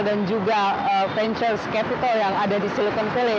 dan juga venture capital yang ada di silicon valley